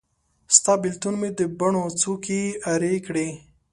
ستا بیلتون مې د بڼو څوکي ارې کړې